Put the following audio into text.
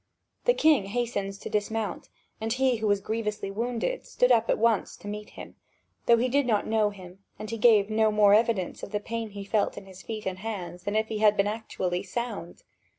The king hastens to dismount, and he who was grievously wounded, stood up at once to meet him, though he did not know him, and he gave no more evidence of the pain he felt in his feet and hands than if he had been actually sound.